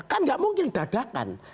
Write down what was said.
kan enggak mungkin dadah kan